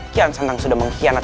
kian santang sudah mengkhianat